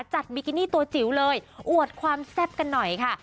บิกินี่ตัวจิ๋วเลยอวดความแซ่บกันหน่อยค่ะ